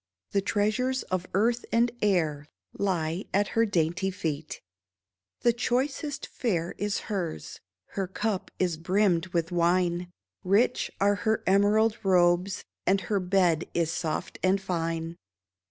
The treasures of earth and air Lie at her dainty feet ; The choicest fare is hers, Her cup is brimmed with wine ; Rich are her emerald robes, And her bed is soft and fine.